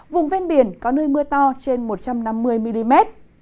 vùng ven biển có nơi mưa to trên một trăm năm mươi mm